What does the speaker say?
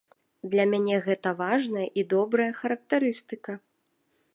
Для мяне гэта важная і добрая характарыстыка.